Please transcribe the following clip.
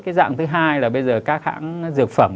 cái dạng thứ hai là bây giờ các hãng dược phẩm